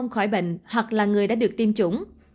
khỏi bệnh hoặc là người đã được tiêm chủng